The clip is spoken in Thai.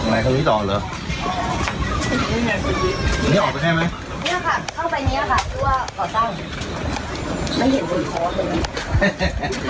อยากไหนตอนนี้ต่อเหรอออกไปแค่ไหมเนี้ยค่ะเข้าไปเนี้ยค่ะ